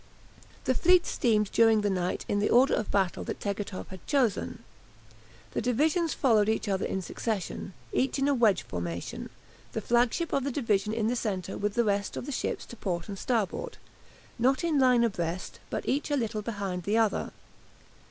The fleet steamed during the night in the order of battle that Tegethoff had chosen. The divisions followed each other in succession, each in a wedge formation, the flagship of the division in the centre with the rest of the ships to port and starboard, not in line abreast, but each a little behind the other.